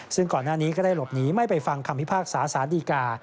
ซึ่งก่อนหน้านี้ก็ได้หลบหนีไม่ไปฟังคำพิพากษาสารดีกา